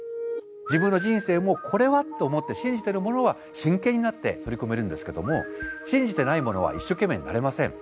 自分の人生もこれはと思って信じてるものは真剣になって取り組めるんですけども信じてないものは一生懸命になれません。